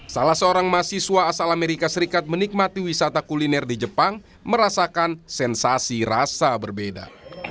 salah seorang mahasiswa asal amerika serikat menikmati wisata kuliner di jepang merasakan sensasi rasa berbeda